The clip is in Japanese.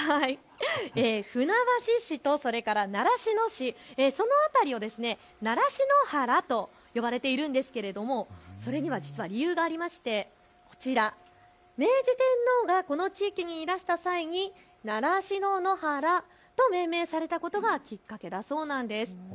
船橋市と習志野市その辺り、習志野原と呼ばれているんですけどもそれには理由がありましてこちら、明治天皇がこの地域にいらした際に習志野原と命名されたことがきっかけだそうなんです。